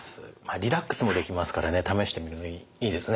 リラックスもできますからね試してみるのもいいですね。